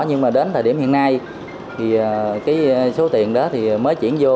nhưng mà đến thời điểm hiện nay thì cái số tiền đó thì mới chuyển vô